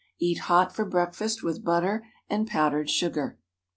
Eat hot for breakfast with butter and powdered sugar.